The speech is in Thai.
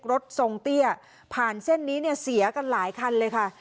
ทรงเตี้ยผ่านเส้นนี้เนี่ยเสียกันหลายคันเลยค่ะ